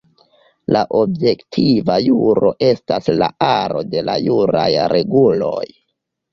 La objektiva juro estas la aro de la juraj reguloj.